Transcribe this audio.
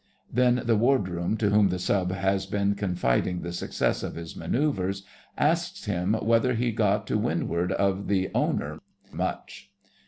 Then the wardroom, to whom the Sub has been confiding the success of his manœuvres, ask him whether he got to windward of the 'owner'—much.